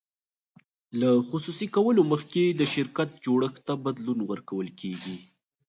له خصوصي کولو مخکې د شرکت جوړښت ته بدلون ورکول کیږي.